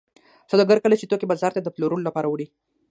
سوداګر کله چې توکي بازار ته د پلورلو لپاره وړي